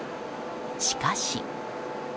しかし。